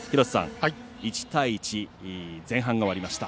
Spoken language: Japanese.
１対１、前半が終わりました。